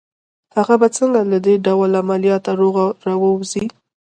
هغه به څنګه له دې ډول عملياته روغ را ووځي